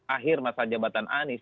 akhir masa jabatan anies